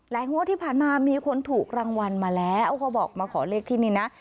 งวดที่ผ่านมามีคนถูกรางวัลมาแล้วเขาบอกมาขอเลขที่นี่นะ